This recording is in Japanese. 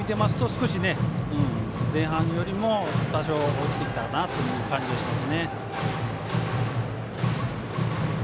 少し前半よりも落ちてきたかなという感じがします。